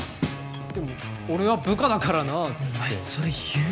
でも俺は部下だからなあってお前それ言う？